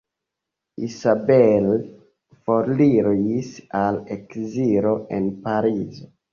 Isabel foriris al ekzilo en Parizo.